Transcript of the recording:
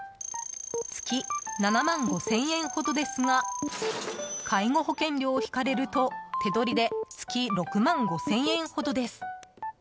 月７万５０００円ほどですが介護保険料を引かれると手取りで月６万５０００円ほどです。